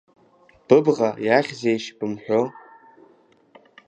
Быбӷа иахьзеишь бымҳәо.